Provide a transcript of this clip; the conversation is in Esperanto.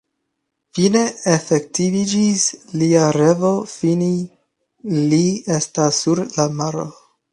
Fine efektiviĝis lia revo, fine li estas sur la maro!